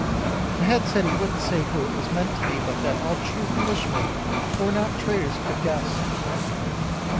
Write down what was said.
The Head said he wouldn't say who it was meant to be but that all true Englishmen who were not traiters could guess.